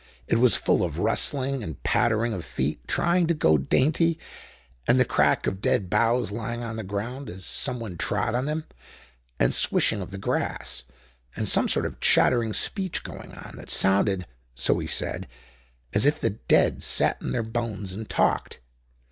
It was full of rustling, and pattering of feet trying to go dainty, and the crack of dead boughs lying on the ground as some one trod on them, and swishing of the grass, and some sort of chattering speech going on, that sounded, so he said, as if the dead sat in their bones and talked!